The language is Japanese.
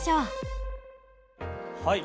はい。